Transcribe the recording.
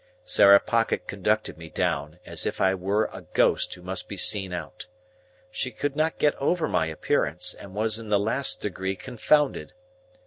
Sarah Pocket conducted me down, as if I were a ghost who must be seen out. She could not get over my appearance, and was in the last degree confounded.